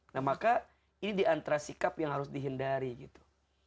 nah maka ini diantara sikap yang harus dihindari gitu